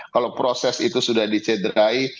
kalau proses itu sudah dicederai